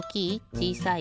ちいさい？